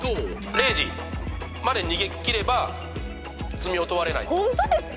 零時まで逃げ切れば罪を問われないホントですか！？